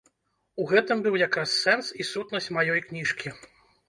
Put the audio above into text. У гэтым быў якраз сэнс і сутнасць маёй кніжкі.